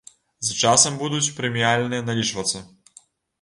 З часам будуць прэміальныя налічвацца.